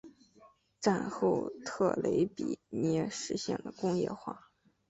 战后特雷比涅实现了工业化。